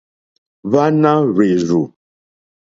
Hwáná hwèrzù.